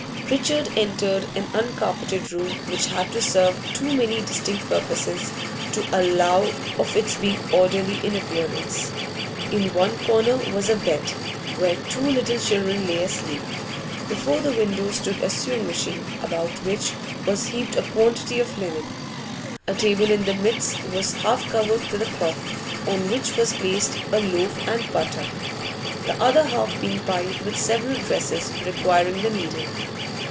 Richard entered an uncarpeted room which had to serve too many distinct purposes to allow of its being orderly in appearance. In one corner was a bed, where two little children lay asleep; before the window stood a sewing machine, about which was heaped a quantity of linen; a table in the midst was half covered with a cloth, on which was placed a loaf and butter, the other half being piled with several dresses requiring the needle.